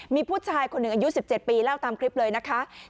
มีผู้ชายคนหนึ่งอายุ๑๗ปีเล่าตามคลิปเลยนะคะ